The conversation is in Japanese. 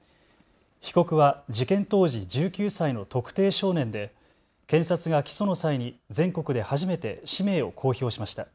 被告は事件当時、１９歳の特定少年で検察が起訴の際に全国で初めて氏名を公表しました。